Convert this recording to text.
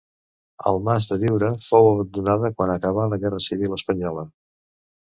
El mas de Biure fou abandonada quan acabà la Guerra Civil Espanyola.